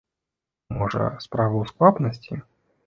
Можа, справа ў сквапнасці?